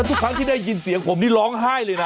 ทุกครั้งที่ได้ยินเสียงผมนี่ร้องไห้เลยนะ